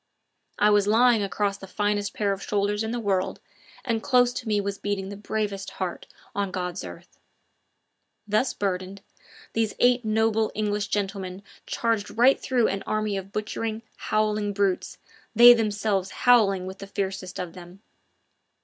I was lying across the finest pair of shoulders in the world, and close to me was beating the bravest heart on God's earth. Thus burdened, these eight noble English gentlemen charged right through an army of butchering, howling brutes, they themselves howling with the fiercest of them.